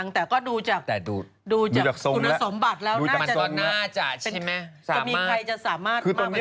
แต่ก็ดูจากคุณสมบัติแล้วมันก็น่าจะมีใครจะสามารถมากกว่านี้